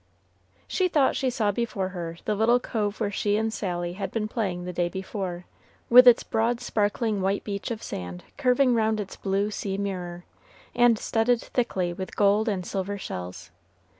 She thought she saw before her the little cove where she and Sally had been playing the day before, with its broad sparkling white beach of sand curving round its blue sea mirror, and studded thickly with gold and silver shells.